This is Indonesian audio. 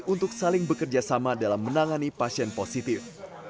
untuk saling bekerjasama dalam menangani pasien positif